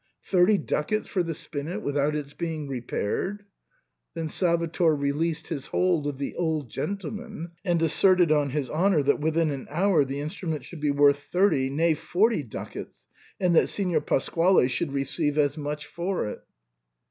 Thirty ducats for the spinet without its being repaired^" Then Salvator released his hold of the old gentleman, and asserted on his honour that within an hour the instrument should be worth thirty — nay, forty duc ats, and that Signor Pasquale should receive as much for it.